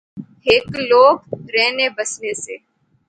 ہیک لوک رہنے بسنے سے